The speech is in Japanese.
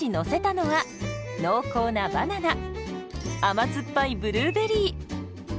甘酸っぱいブルーベリー。